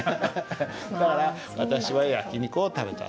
だから「私は焼肉を食べた。